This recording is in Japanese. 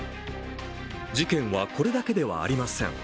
事件はこれだけではありません。